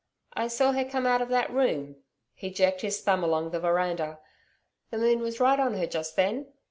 'I saw her come out of that room,' he jerked his thumb along the veranda. 'The moon was right on her just then.